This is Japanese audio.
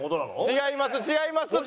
違います違いますって！